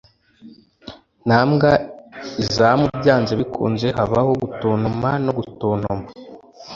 nta mbwa izamu byanze bikunze, habaho gutontoma no gutontoma